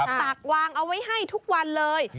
ตักวางเอาไว้ให้ทุกวันเลย